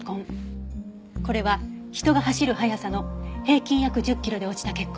これは人が走る速さの平均約１０キロで落ちた血痕。